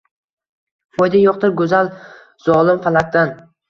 Foyda yo’qdir, go’zal, zolim falakdan